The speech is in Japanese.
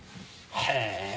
へえ。